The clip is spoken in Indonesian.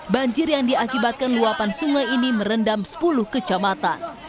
banjir yang diakibatkan luapan sungai ini merendam sepuluh kecamatan